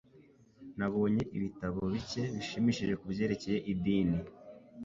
Nabonye ibitabo bike bishimishije kubyerekeye idini.